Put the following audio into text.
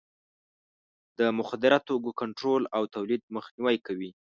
د مخدره توکو کنټرول او تولید مخنیوی کوي.